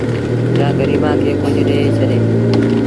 جآنٚ گريبآنٚ کي ڪجھ ڏي ڇڏي